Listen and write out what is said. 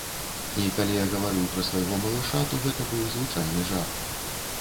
І калі я гаварыў пра свайго малыша, то гэта быў звычайны жарт.